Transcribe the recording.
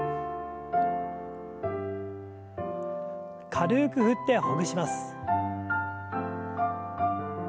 軽く振ってほぐします。